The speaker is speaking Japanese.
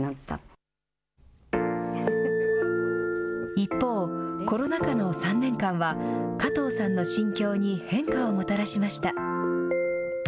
一方、コロナ禍の３年間は加藤さんの心境に変化をもたらしました。